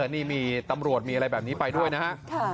นี่มีตำรวจมีอะไรแบบนี้ไปด้วยนะฮะ